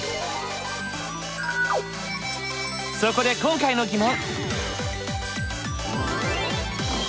そこで今回の疑問！